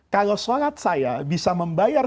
kalau sholat saya bisa membayar